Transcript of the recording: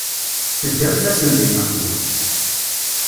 Teddamt-asen di nneqma.